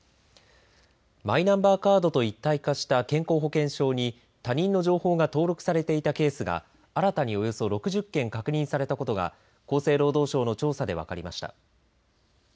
マイナンバーカードと一体化した健康保険証に他人の情報が登録されていたケースが新たにおよそ６０件確認されたことが厚生労働省の調査で分かりました。